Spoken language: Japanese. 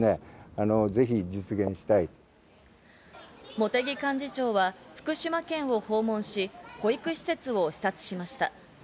茂木幹事長は、福島県を訪問し、保育施設を視察しました。